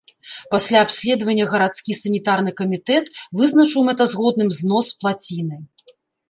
Пасля абследавання гарадскі санітарны камітэт вызначыў мэтазгодным знос плаціны.